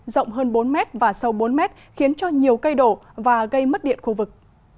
rộng hơn bốn m và sâu bốn m khiến cho nhiều cây đổ và gây mất điện khu vực